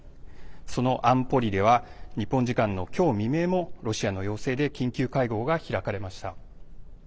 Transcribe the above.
その安保理では日本時間の今日未明もロシアの要請で緊急会合が開かれました。